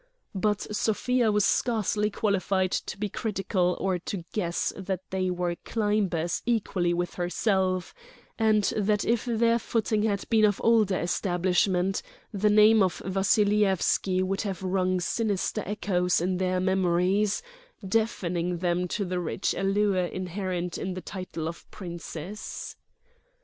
But Sofia was scarcely qualified to be critical or to guess that they were climbers equally with herself, and that if their footing had been of older establishment the name of Vassilyevski would have rung sinister echoes in their memories, deafening them to the rich allure inherent in the title of princess.